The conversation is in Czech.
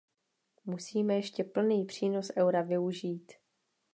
Musíme ještě plný přínos eura využít.